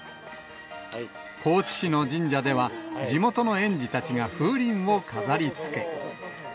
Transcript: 高知市の神社では、地元の園児たちが風鈴を飾りつけ。